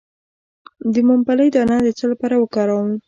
د ممپلی دانه د څه لپاره وکاروم؟